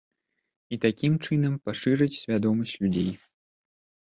І такім чынам пашырыць свядомасць людзей.